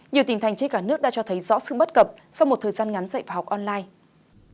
nhiều tỉnh thành trên cả nước đã cho thấy rõ sự bất cập sau một thời gian ngắn dạy và học online